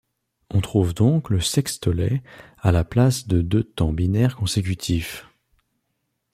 On trouve donc le sextolet à la place de deux temps binaires consécutifs.